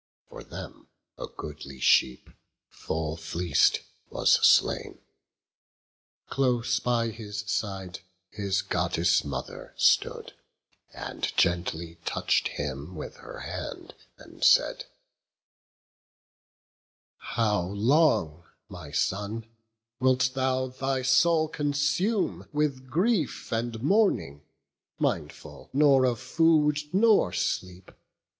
For them a goodly sheep, full fleec'd, was slain. Close by his side his Goddess mother stood, And gently touch'd him with her hand, and said, "How long, my son, wilt thou thy soul consume With grief and mourning, mindful nor of food Nor sleep?